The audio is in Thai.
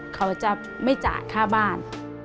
เขาจะไม่จ่ายค่าบ้าน